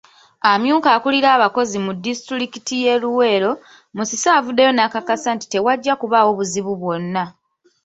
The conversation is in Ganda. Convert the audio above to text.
Amyuka akulira abakozi mu disitulikiti y'e Luweero, Musisi avuddeyo n'akakasa nti tewajja kubaawo buzibu bwonna.